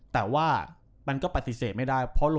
แต่ว่ามันก็ปฏิเสธไม่ได้